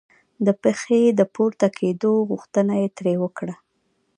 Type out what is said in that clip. د پښې د پورته کېدو غوښتنه یې ترې وکړه.